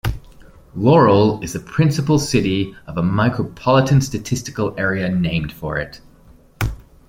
Laurel is the principal city of a Micropolitan Statistical Area named for it.